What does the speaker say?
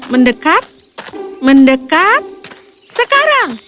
mendekat mendekat sekarang